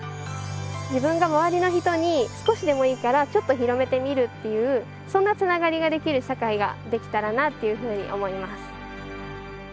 自分が周りの人に少しでもいいからちょっと広めてみるっていうそんなつながりができる社会ができたらなっていうふうに思います。